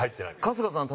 春日さん